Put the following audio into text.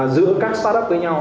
giữa các start up với nhau